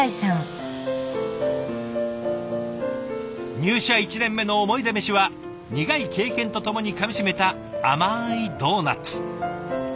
入社１年目のおもいでメシは苦い経験とともにかみしめた甘いドーナツ。